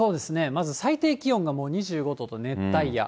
まず最低気温がもう２５度と熱帯夜。